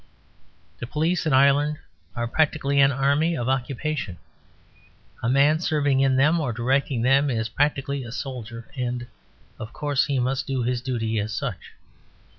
The police in Ireland are practically an army of occupation; a man serving in them or directing them is practically a soldier; and, of course, he must do his duty as such.